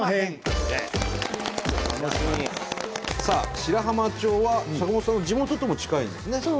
さあ白浜町は坂本さんの地元とも近いんですね。